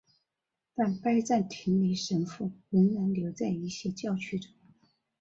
但拜占庭礼神父仍然留在一些教区中。